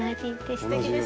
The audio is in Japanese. すてきですね。